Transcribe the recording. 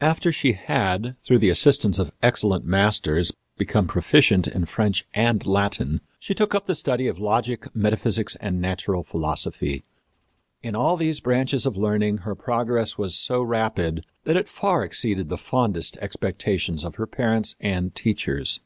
After she had, through the assistance of excellent masters, become proficient in French and Latin, she took up the study of logic, metaphysics and natural philosophy. In all these branches of learning her progress was so rapid that it far exceeded the fondest expectations of her parents and teachers.